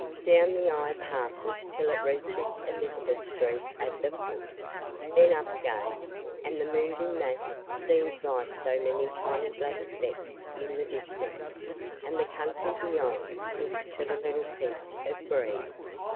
Down the eye passes till it reaches Elizabeth Street at the foot; then up again, and the moving mass seems like so many tiny black specks in the distance, and the country beyond looks but a little piece of green.